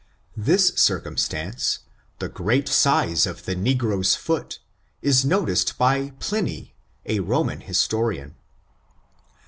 This circumstance — the great size of the negro's foot, is noticed by Pliny^ a Roman Historian.